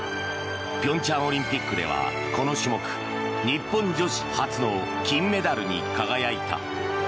平昌オリンピックでは、この種目日本女子初の金メダルに輝いた。